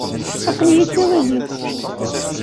Aql-iyi d tawaziwt.